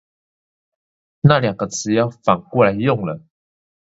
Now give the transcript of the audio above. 那兩個詞要反過來用了